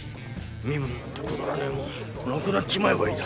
身分なんてくだらねえもんなくなっちまえばいいだ。